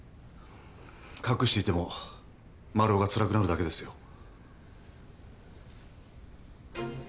隠していてもマルオがつらくなるだけですよ。